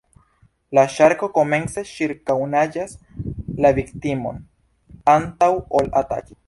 La ŝarko komence ĉirkaŭnaĝas la viktimon, antaŭ ol ataki.